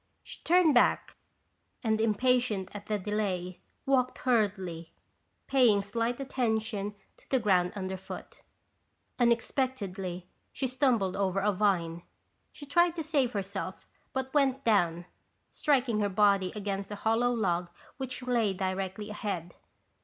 She turned back, and impatient at the delay, walked hurriedly, paying slight attention to the ground underfoot. Unexpectedly, she stumbled over a vine. She tried to save herself but went down, striking her body against a hollow log which lay directly ahead.